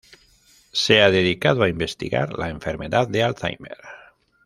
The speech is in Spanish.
Se ha dedicado a investigar la enfermedad de Alzheimer.